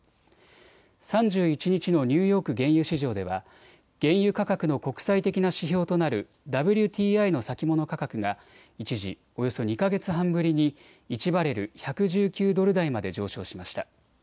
３１日のニューヨーク原油市場では原油価格の国際的な指標となるＷＴＩの先物価格が一時およそ２か月半ぶりに１バレル１１９ドル台まで上昇しました。